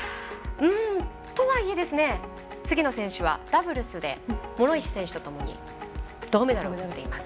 とはいえ、菅野選手はダブルスで諸石選手とともに銅メダルをとっています。